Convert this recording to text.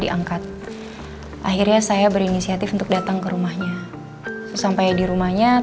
diangkat akhirnya saya berinisiatif untuk datang ke rumahnya sampai di rumahnya